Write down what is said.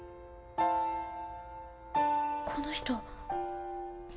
この人。